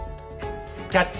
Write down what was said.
「キャッチ！